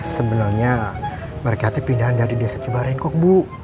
sebenarnya berkati pindahan dari desa cibarenkok bu